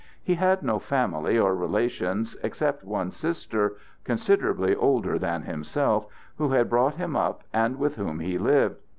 He had no family or relations except one sister, considerably older than himself, who had brought him up, and with whom he lived.